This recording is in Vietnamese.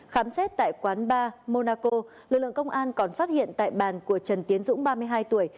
khám xét tại quán bar monaco lực lượng công an còn phát hiện tại bàn của trần tiến dũng ba mươi hai tuổi